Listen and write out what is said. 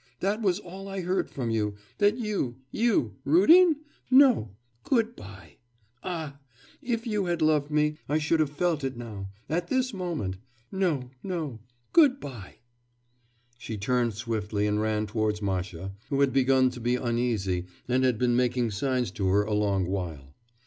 That was all I heard from you, that you, you, Rudin? No! good bye.... Ah! if you had loved me, I should have felt it now, at this moment.... No, no, goodbye!' She turned swiftly and ran towards Masha, who had begun to be uneasy and had been making signs to her a long while.